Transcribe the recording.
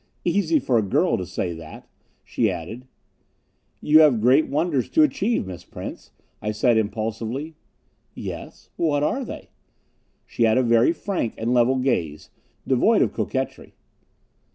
"Easy for a girl to say that," she added. "You have greater wonders to achieve, Miss Prince," I said impulsively. "Yes? What are they?" She had a very frank and level gaze, devoid of coquetry.